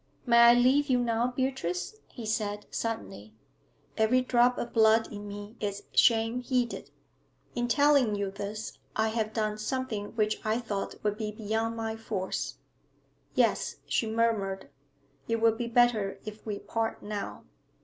'May I leave you now, Beatrice?' he said, suddenly. 'Every drop of blood in me is shame heated. In telling you this, I have done something which I thought would be beyond my force.' 'Yes,' she murmured, 'it will be better if we part now.'